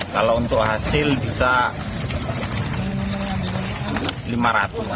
kalau untuk hasil bisa rp lima ratus juta